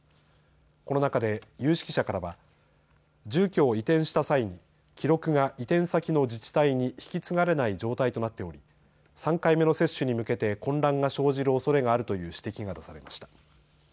この中で有識者からは住居を移転した際に、記録が移転先の自治体に引き継がれない状態となっており３回目の接種に向けて混乱が生じるおそれがあるという指摘が出されました。